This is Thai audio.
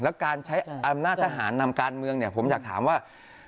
แล้วการใช้อำนาจทหารนำการเมืองเนี่ยผมอยากถามว่า